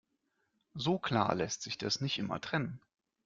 So klar lässt sich das nicht immer trennen.